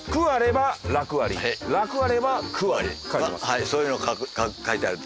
はいそういうの書いてある。